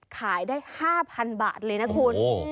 ขายได้๕๐๐๐บาทเลยนะคุณ